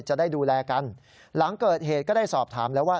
จะได้ดูแลกันหลังเกิดเหตุก็ได้สอบถามแล้วว่า